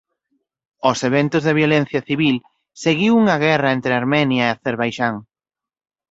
Aos eventos de violencia civil seguiu unha guerra entre Armenia e Acerbaixán.